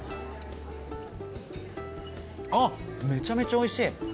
めちゃめちゃおいしい！